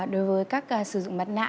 đối với các sử dụng mặt nạ